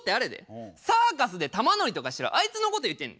サーカスで玉乗りとかしてるあいつのこと言うてんねん。